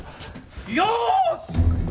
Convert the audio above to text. よし！